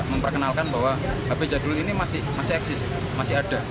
memperkenalkan bahwa hp jadul ini masih eksis masih ada